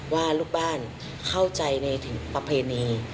ว่าลูกบ้านเข้าใจในถึงประเพณี